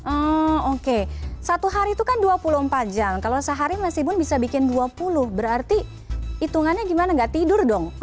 oh oke satu hari itu kan dua puluh empat jam kalau sehari mas ibun bisa bikin dua puluh berarti hitungannya gimana gak tidur dong